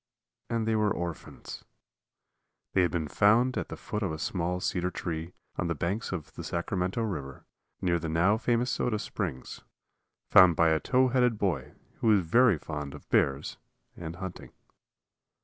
And they were orphans. They had been found at the foot of a small cedar tree on the banks of the Sacramento River, near the now famous Soda Springs, found by a tow headed boy who was very fond of bears and hunting.